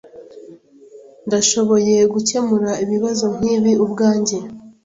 Ndashoboye gukemura ibibazo nkibi ubwanjye.